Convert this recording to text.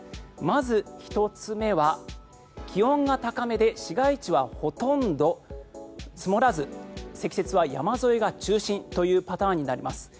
まず、１つ目は気温が高めで市街地はほとんど積もらず積雪は山沿いが中心というパターンになります。